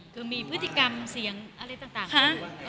คือมีพฤติกรรมเสียงอะไรต่าง